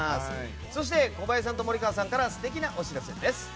そして、小林さんと森川さんから素敵なお知らせです。